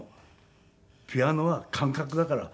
ピアノは感覚だから。